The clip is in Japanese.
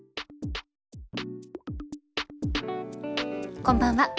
こんばんは。